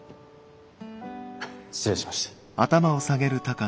失礼しました。